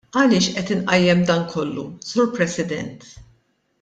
Għaliex qed inqajjem dan kollu, Sur President?